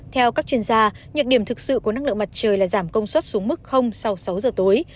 theo các chuyên gia nhược điểm thực sự của năng lượng mặt trời là giảm công suất xuống mức sau sáu giờ tối